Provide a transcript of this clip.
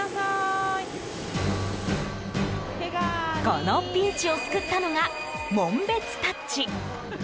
このピンチを救ったのが紋別タッチ。